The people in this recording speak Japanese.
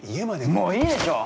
もういいでしょ！